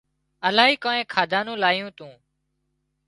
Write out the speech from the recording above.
الاهي ڪانئين کاڌا نُون لايُون تُون